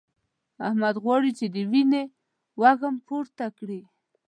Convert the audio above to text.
احمد غواړي چې د وينو وږم پورته کړي.